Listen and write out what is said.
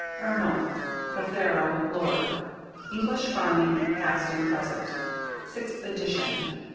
_ Ernle, (Prothero) Lord. English Farming Past and Present, 6th edition.